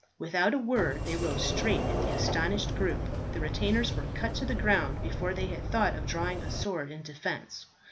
Without a word they rode straight at the astonished group. The retainers were cut to the ground before they had thought of drawing a sword in defence.